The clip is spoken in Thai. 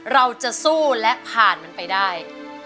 เราจะสู้และผ่านมันไปได้